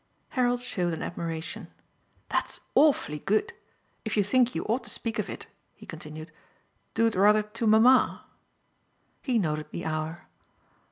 Harold showed an admiration. "That's awfully good. If you think you ought to speak of it," he continued, "do it rather to mamma." He noted the hour.